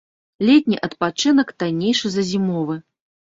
Летні адпачынак таннейшы за зімовы.